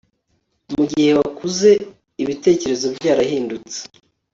mugihe wakuze, ibitekerezo byarahindutse